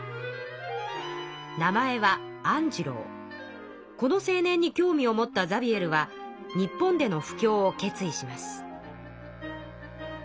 名前はこの青年に興味を持ったザビエルは日本での布教を決意します。